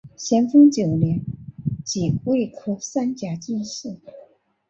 咸丰九年己未科三甲进士。